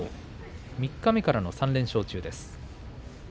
三日目からの３連勝中です。